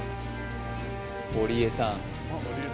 堀江さん